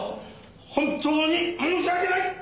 本当に申し訳ない！